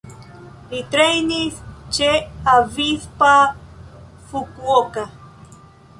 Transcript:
Li trejnis ĉe Avispa Fukuoka.